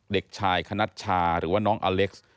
เด็กชายคณัชชาหรือว่าน้องอเล็กซ์